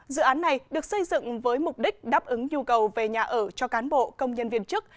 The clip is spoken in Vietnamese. dự án này được xây dựng với mục đích đáp ứng nhu cầu về nhà ở cho cán bộ công nhân viên chức